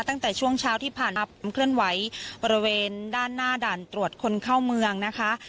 ตั้งแต่ช่วงเช้าที่ผ่านมาความเคลื่อนไหวบริเวณด้านหน้าด่านตรวจคนเข้าเมืองนะคะ